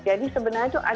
jadi sebenarnya itu anteman